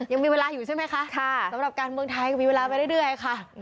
ยังมีเวลาอยู่ใช่ไหมคะสำหรับการเมืองไทยก็มีเวลาไปเรื่อยค่ะ